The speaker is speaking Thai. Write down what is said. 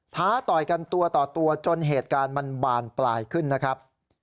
ท้าต่อยกันตัวต่อตัวจนเหตุการณ์มันบานปลายขึ้นนะครับ